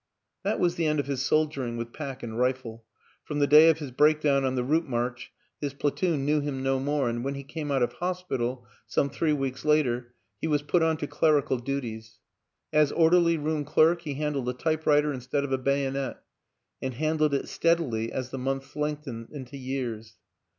That was the end of his soldiering with pack and rifle ; from the day of his breakdown on the route march his platoon knew him no more and when he came out of hospital, some three weeks later, he was put on to clerical duties. As or derly room clerk he handled a typewriter instead of a bayonet, and handled it steadily as the months lengthened into years.